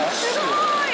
すごーい！